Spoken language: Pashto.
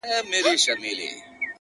هغه خاموسه شان آهنگ چي لا په ذهن کي دی!!